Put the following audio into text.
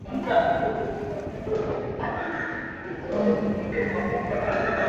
Makenga kamanda mkuu wa M ishirini na tatu amerudi Jamuhuri ya Demokrasia ya Kongo kuongoza mashambulizi